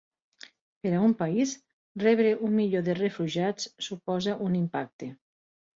Per a un país, rebre un milió de refugiats suposa un impacte.